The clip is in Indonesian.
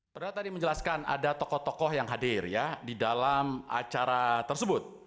saudara tadi menjelaskan ada tokoh tokoh yang hadir ya di dalam acara tersebut